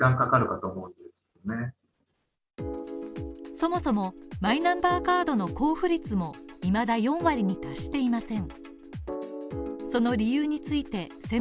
そもそもマイナンバーカードの交付率もいまだ４割に達していません